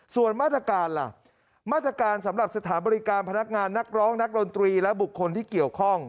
ส่วนมาตรการล่ะมาตรการสำหรับสถานบริการพนักงานนักร้องนักดนตรีและบุคคลที่เกี่ยวข้อง